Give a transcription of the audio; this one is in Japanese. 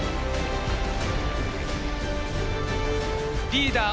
リーダー